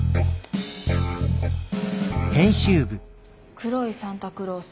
「黒いサンタクロース。